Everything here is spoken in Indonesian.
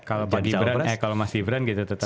kalau pak gibran eh kalau mas gibran kita tetap